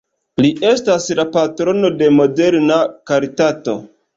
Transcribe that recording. Li estas la patrono de moderna karitato.